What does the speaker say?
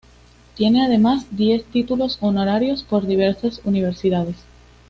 Tiene además diez títulos honorarios por diversas universidades.